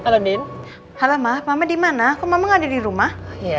berarti dia gak ada di rumah